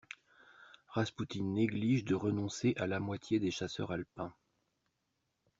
Raspoutine néglige de renoncer à la moitié des chasseurs alpins.